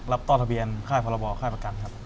ต้อทะเบียนค่ายพรบค่ายประกันครับ